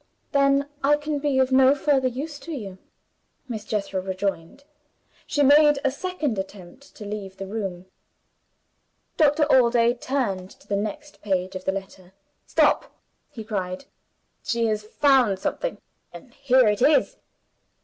"Then I can be of no further use to you," Miss Jethro rejoined. She made a second attempt to leave the room. Doctor Allday turned to the next page of the letter. "Stop!" he cried. "She has found something and here it is."